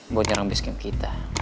buat nyerang basecamp kita